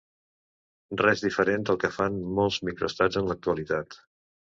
Res diferent del que fan molts microestats en l’actualitat.